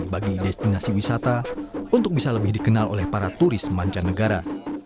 bagi destinasi wisata untuk bisa lebih dikenal oleh para turis mancanegara